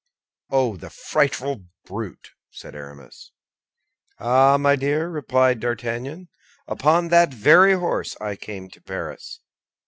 "Oh, the frightful brute!" said Aramis. "Ah, my dear," replied D'Artagnan, "upon that very horse I came to Paris."